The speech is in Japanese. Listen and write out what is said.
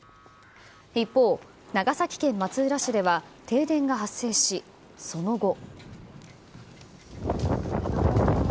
一方、長崎県松浦市では停電が発生し、その後。